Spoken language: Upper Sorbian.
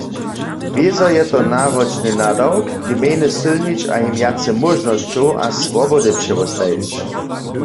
Wězo je to naročny nadawk, gmejny sylnić a jim wjace móžnosćow a swobody přewostajić.